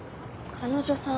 彼女さん。